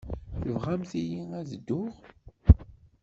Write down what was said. Tebɣamt-iyi ad dduɣ?